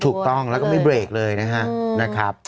ถูกต้องแล้วก็ไม่เบรกเลยนะครับ